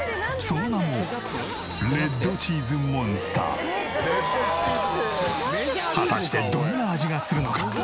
その名も果たしてどんな味がするのか。